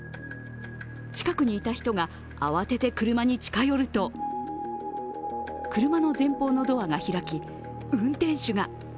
近くにいた人が慌てて車に近寄ると車の前方のドアが開き、運転手が。